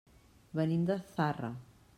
Venim de Zarra.